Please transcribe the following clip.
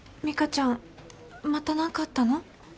美香ちゃんまた何かあったの？